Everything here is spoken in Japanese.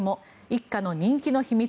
一家の人気の秘密